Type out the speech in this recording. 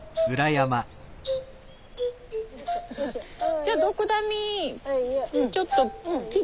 じゃあドクダミちょっと切ります。